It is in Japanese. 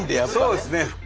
そうですね。